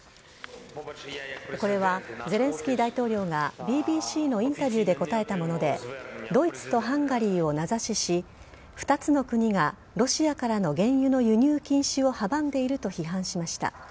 これはゼレンスキー大統領がＢＢＣのインタビューで答えたものでドイツとハンガリーを名指しし２つの国がロシアからの原油の輸入禁止を阻んでいると批判しました。